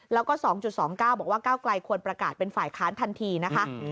แล้วก็๒๒๙บอกว่าก้าวไกลควรประกาศเป็นฝ่ายค้านทันทีนะคะ